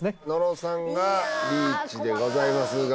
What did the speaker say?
野呂さんがリーチでございます